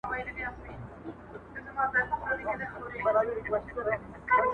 د عادل پاچا په نوم یې وو بللی!.